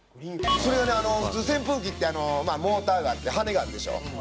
これはね普通扇風機ってモーターがあって羽根があるでしょ？